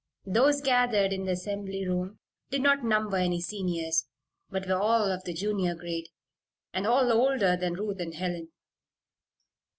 Those gathered in the assembly room did not number any Seniors, but were all of the Junior grade, and all older than Ruth and Helen.